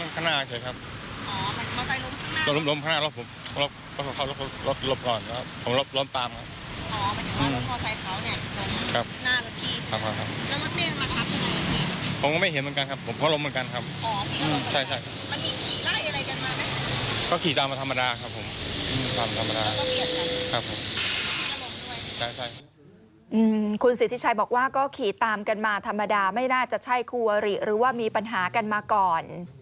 คุณสิทธิชัยบอกว่าก็ขี่ตามกันมาธรรมดาไม่น่าจะใช่คู่วริหรือว่ามีปัญหากันมาก่อน